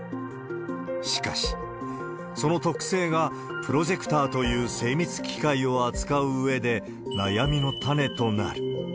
しかし、その特性がプロジェクターという精密機械を扱ううえで、悩みの種となる。